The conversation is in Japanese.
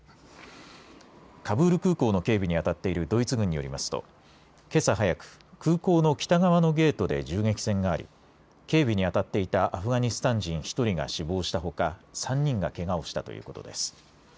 カブール空港の警備にあたっているドイツ軍によりますとけさ早く、空港の北側のゲートで銃撃戦があり警備にあたっていたアフガニスタン人１人が死亡したほか３人がけがをしたということです。